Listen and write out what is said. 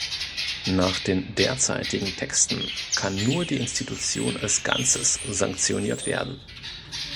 Nach den derzeitigen Texten kann nur die Institution als Ganzes sanktioniert werden.